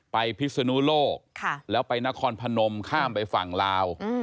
พิศนุโลกแล้วไปนครพนมข้ามไปฝั่งลาว